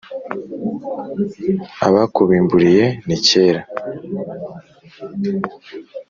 Abakubimburiye ni kera